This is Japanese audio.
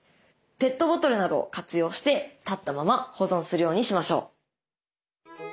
ペットボトルなどを活用して立ったまま保存するようにしましょう。